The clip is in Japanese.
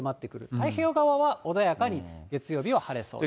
太平洋側は穏やかに月曜日は晴れそうです。